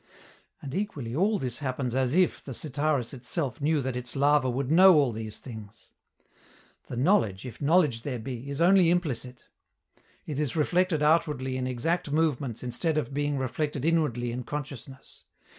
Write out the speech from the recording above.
And equally all this happens as if the Sitaris itself knew that its larva would know all these things. The knowledge, if knowledge there be, is only implicit. It is reflected outwardly in exact movements instead of being reflected inwardly in consciousness.